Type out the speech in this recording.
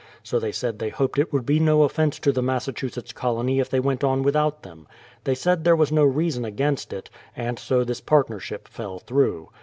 So they said they hoped it would be no offence to the Massachusetts colony if they went on with out them. They said there was no reason against it ; 'and so this partnership fell through.